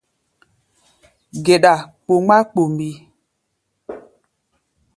Geɗa kpomgbá kpomgbí.